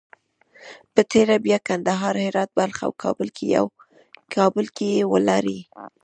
په تېره بیا کندهار، هرات، بلخ او کابل کې یې ولري.